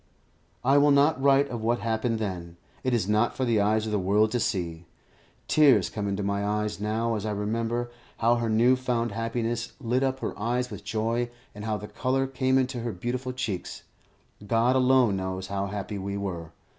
I will not write of what happened then. It is not for the eyes of the world to see. Tears come into my eyes now as I remember how her new found happiness lit up her eyes with joy, and how the colour came into her beautiful cheeks. God alone knows how happy we were.